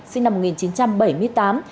sinh năm một nghìn chín trăm bảy mươi tám